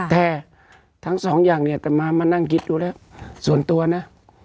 แต่ทั้งสองอย่างเนี่ยจะมามานั่งคิดดูแล้วส่วนตัวนะ